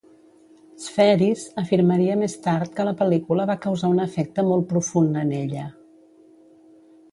Spheeris afirmaria més tard que la pel·lícula va causar un efecte molt profund en ella.